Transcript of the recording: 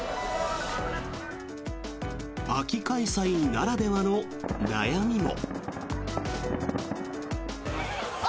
秋開催ならではの悩みも。